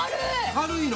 軽いの？